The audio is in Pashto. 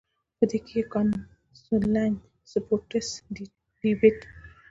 پۀ دې کښې کاونسلنګ ، سپورټس ، ډيبېټ ،